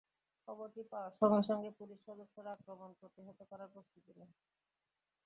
খবরটি পাওয়ার সঙ্গে সঙ্গেই পুলিশ সদস্যরা আক্রমণ প্রতিহত করার প্রস্তুতি নেন।